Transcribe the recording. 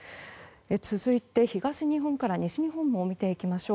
続いて、東日本から西日本も見ていきましょう。